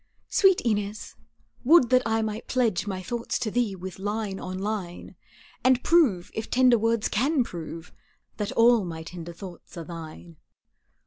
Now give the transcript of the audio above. Sweet Inez, would that I might pledge My thoughts to thee with line on line, And prove, if tender words can prove, That all my tender thoughts are thine.